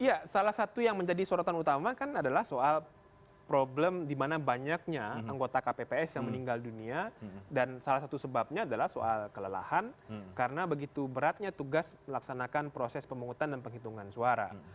iya salah satu yang menjadi sorotan utama kan adalah soal problem di mana banyaknya anggota kpps yang meninggal dunia dan salah satu sebabnya adalah soal kelelahan karena begitu beratnya tugas melaksanakan proses pemungutan dan penghitungan suara